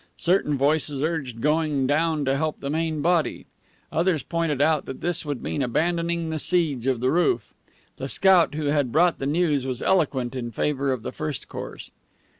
Certain voices urged going down to help the main body. Others pointed out that this would mean abandoning the siege of the roof. The scout who had brought the news was eloquent in favor of the first course.